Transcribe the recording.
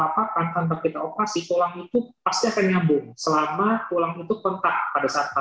selama tulang itu pentah pada saat patah